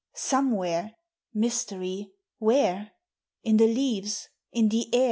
somewhere — mystery! where? In the leaves? in the air?